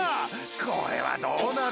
これはどうなる？